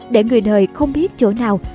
để người đời không biết chỗ nào